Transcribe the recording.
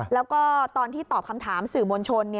แล้วก็ตอนที่ตอบคำถามสื่อมวลชน